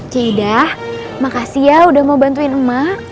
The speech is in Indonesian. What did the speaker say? cik ida makasih ya udah mau bantuin mak